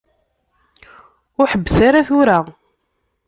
Ur ḥebbes ara tura.